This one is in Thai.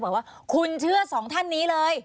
เราบอกว่าคุณเชื่อ๒ท่านนี้เลย